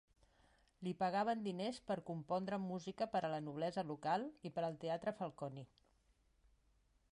Li pagaven diners per compondre música per a la noblesa local i per al Teatre Falconi.